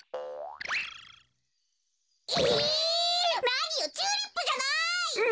なによチューリップじゃない！